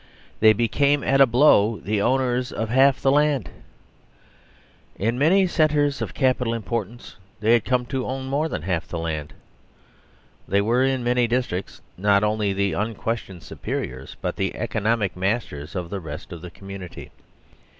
They became at a blow the owners of half\h& land ! In many centres of capital importance they had come to own more than half the land. They were in many districts not only the unquestioned superiors, but the economic masters of the rest of the commun ity.